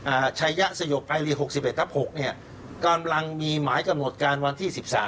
ชัยยะสยบไอลีหกสิบเอ็ดทับหกเนี้ยกำลังมีหมายกำหนดการวันที่สิบสาม